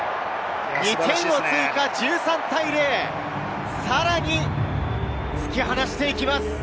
２点を追加、１３対０。さらに突き放していきます。